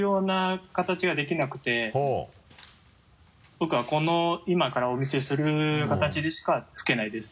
僕はこの今からお見せする形でしか吹けないです。